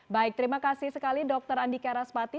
baik terima kasih sekali dr andika raspati